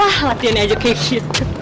wah hatiin aja kayak gitu